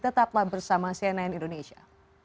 tetaplah bersama cnn indonesia